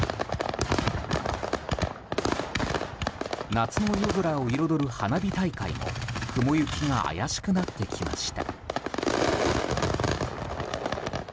夏の夜空を彩る花火大会も雲行きが怪しくなってきました。